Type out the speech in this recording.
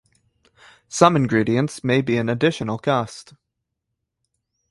Some ingredients may be an additional cost.